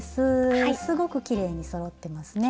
すごくきれいにそろってますね。